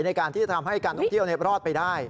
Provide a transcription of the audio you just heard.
ในการที่จะทำให้การที่เอาเน็บรอดไปได้